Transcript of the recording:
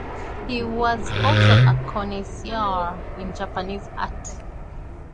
He was also a connoisseur in Japanese art.